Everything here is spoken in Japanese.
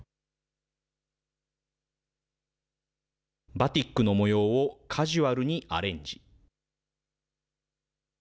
バティックの模様をカジュアルにアレンジ。